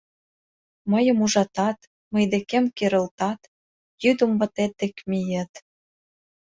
Мыйым ужатат, мый декем керылтат, йӱдым ватет дек миет...